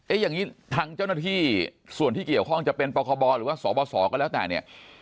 อย่างนี้ทางเจ้าหน้าที่ส่วนที่เกี่ยวข้องจะเป็นปคบหรือว่าสบสก็แล้วแต่เนี่ย